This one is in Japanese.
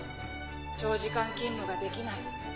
長時間勤務ができない。